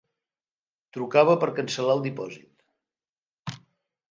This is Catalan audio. Trucava per cancel·lar el dipòsit.